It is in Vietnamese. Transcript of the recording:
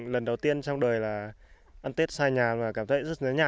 lần đầu tiên trong đời là ăn tết xa nhà và cảm thấy rất nhớ nhà